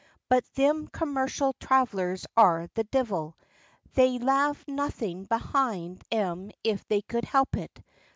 But thim commercial thravellers are the divil. They'd lave nothing behind 'em if they could help it.